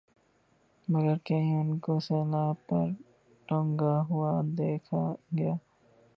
مگر کہیں انکو صلیب پر ٹنگا ہوا دکھایا گیا